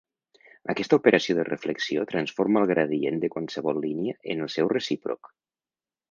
Aquesta operació de reflexió transforma el gradient de qualsevol línia en el seu recíproc.